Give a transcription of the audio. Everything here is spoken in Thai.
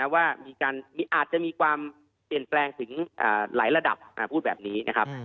ว่าอาจจะมีความเปลี่ยนแปลงถึงหลายระดับพูดแบบนี้นะครับ